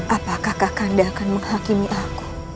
apakah kakanda akan menghakimi aku